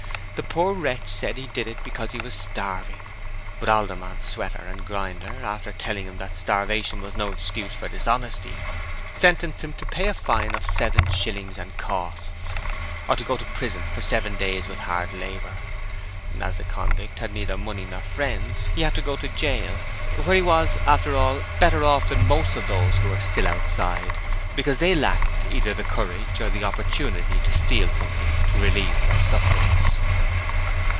The poor wretch said he did it because he was starving, but Aldermen Sweater and Grinder, after telling him that starvation was no excuse for dishonesty, sentenced him to pay a fine of seven shillings and costs, or go to prison for seven days with hard labour. As the convict had neither money nor friends, he had to go to jail, where he was, after all, better off than most of those who were still outside because they lacked either the courage or the opportunity to steal something to relieve their sufferings.